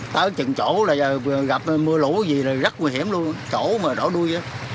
tới chừng chỗ gặp mưa lũ gì là rất nguy hiểm luôn chỗ mà đổ đuôi